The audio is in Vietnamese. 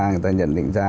người ta nhận định ra